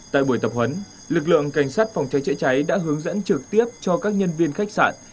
tại buổi tập huấn lực lượng cảnh sát phòng cháy chữa cháy đã hướng dẫn trực tiếp cho các nhân viên khách sạn